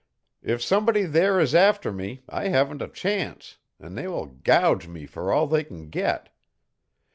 If somebody there is after me I haven't a chance, and they will gouge me for all they can get.